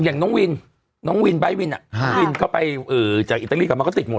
อย่างน้องวินน้องวินไบท์วินเข้าไปจากอิตาลีกลับมาก็ติดหมด